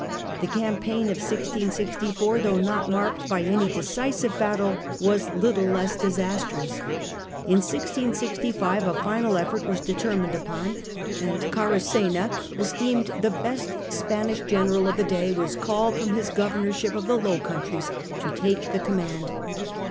The campaign of 1664, though not marked by any decisive battle, was little less disastrous. In 1665 a final effort was determined upon, and Caracena, esteemed the best Spanish general of the day, was called from his governorship of the Low Countries to take the command.